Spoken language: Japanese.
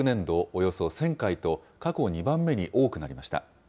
およそ１０００回と、過去２番目に多くなりました。